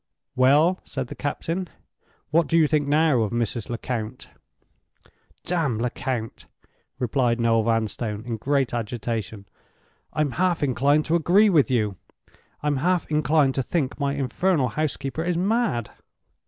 "Well," said the captain, "what do you think now of Mrs. Lecount?" "Damn Lecount!" replied Noel Vanstone, in great agitation. "I'm half inclined to agree with you. I'm half inclined to think my infernal housekeeper is mad."